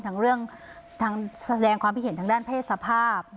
ทั้งเรื่องทั้งแสดงความคิดเห็นทางด้านเพศสภาพ